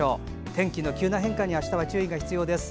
天気の急な変化にあしたは注意が必要です。